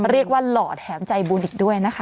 เรียกว่าหล่อแถวใจบุญอีกด้วยนะคะ